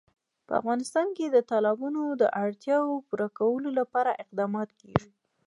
په افغانستان کې د تالابونه د اړتیاوو پوره کولو لپاره اقدامات کېږي.